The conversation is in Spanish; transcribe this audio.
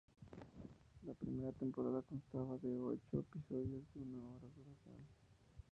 La primera temporada constaba de ocho episodios de una hora de duración.